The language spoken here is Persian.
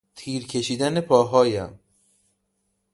تیر کشیدن پاهایم